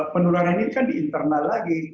penularan ini kan di internal lagi